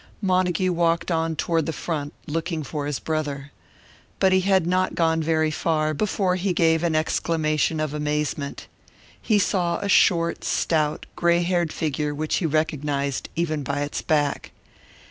Montague walked on toward the front, looking for his brother. But he had not gone very far before he gave an exclamation of amazement. He saw a short, stout, grey haired figure, which he recognised, even by its back.